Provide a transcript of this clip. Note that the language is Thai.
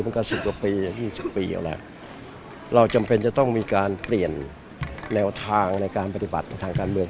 สิบกว่าปี๒๐ปีเอาแหละเราจำเป็นจะต้องมีการเปลี่ยนแนวทางในการปฏิบัติในทางการเมือง